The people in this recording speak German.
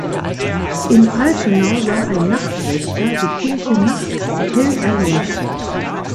In Altenau sah ein Nachtwächter die Kirche nachts hell erleuchtet.